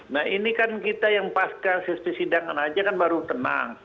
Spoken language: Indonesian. nah ini kan kita yang pasca persidangan aja kan baru tenang